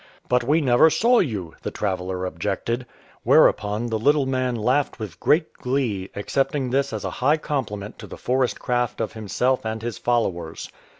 "But we never saw you," the traveller objected. Whereupon the little man laughed with great glee, accepting this as a high compliment to the forest craft of himself and his followers.